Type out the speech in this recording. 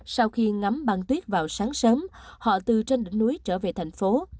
sau khi ngắm băng tuyết vào sáng sớm họ từ trên đỉnh núi trở về thành phố